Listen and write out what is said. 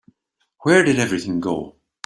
Where did everything go?